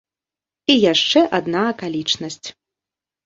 І яшчэ адна акалічнасць.